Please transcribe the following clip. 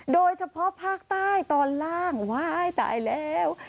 โดยเฉพาะภาคใต้ตอนล่างว้ายตายแล้ว